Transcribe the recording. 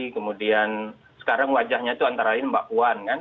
kemudian sekarang wajahnya itu antara lain mbak puan kan